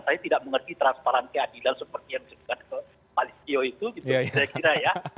saya tidak mengerti transparan keadilan seperti yang disebutkan pak listio itu gitu saya kira ya